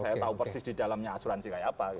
saya tahu persis di dalamnya asuransi kayak apa